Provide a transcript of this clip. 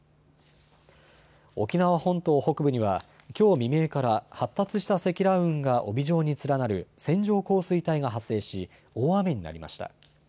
沖縄本島北部にはきょう未明から発達した積乱雲が帯状に連なる線状降水帯が発生し、大雨になりました。